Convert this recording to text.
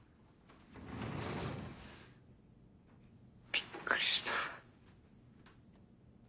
びっくりした。